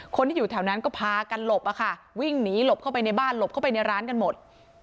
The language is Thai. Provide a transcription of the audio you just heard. คนที่อยู่แถวนั้นก็พากันหลบอะค่ะวิ่งหนีหลบเข้าไปในบ้านหลบเข้าไปในร้านกันหมด